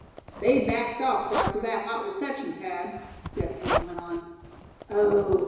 "They backed off after that hot reception, Thad," Step Hen went on. "Oh!